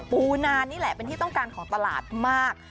ปูนานี่แหละเป็นที่ต้องการของตลาดมาก